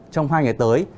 trong hai ngày tới